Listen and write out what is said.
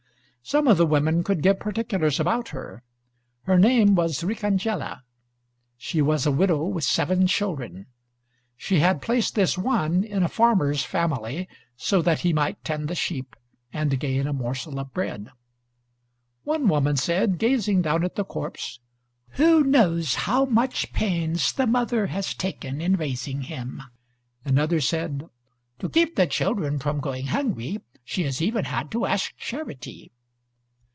Some of the women could give particulars about her. Her name was Riccangela; she was a widow with seven children. She had placed this one in a farmer's family, so that he might tend the sheep, and gain a morsel of bread. One woman said, gazing down at the corpse, "Who knows how much pains the mother has taken in raising him!" Another said, "To keep the children from going hungry she has even had to ask charity."